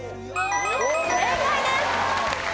正解です！